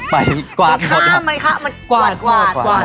ไปกวาดหมดค่ะกวาดงามไหมค่ะ